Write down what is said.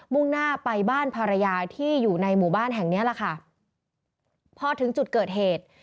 ่งหน้าไปบ้านภรรยาที่อยู่ในหมู่บ้านแห่งเนี้ยแหละค่ะพอถึงจุดเกิดเหตุ